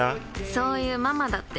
そういうママだって。